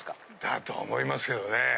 だと思いますけどね。